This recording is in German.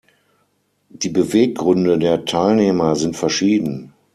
Die Beweggründe der Teilnehmer sind verschieden.